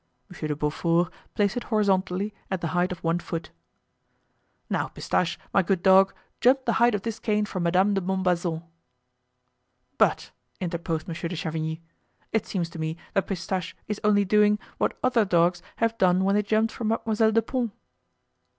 Monsieur de Beaufort placed it horizontally at the height of one foot. "Now, Pistache, my good dog, jump the height of this cane for Madame de Montbazon." "But," interposed Monsieur de Chavigny, "it seems to me that Pistache is only doing what other dogs have done when they jumped for Mademoiselle de Pons."